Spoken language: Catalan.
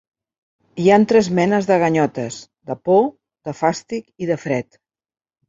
Hi ha tres menes de ganyotes: de por, de fàstic i de fred.